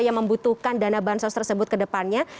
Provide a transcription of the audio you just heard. yang membutuhkan dana bansos tersebut ke depannya